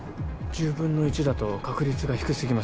１０分の１だと確率が低すぎます。